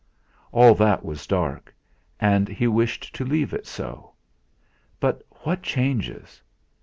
All that was dark, and he wished to leave it so. But what changes!